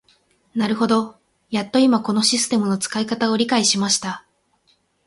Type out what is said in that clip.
なるほど、やっと今このシステムの使い方を理解しました。